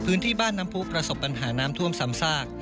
พื้นที่บ้านน้ำผู้ประสบปัญหาน้ำท่วมซ้ำซาก